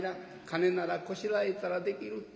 金ならこしらえたらできる」。